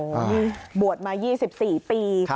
โอ้โหบวชมา๒๔ปี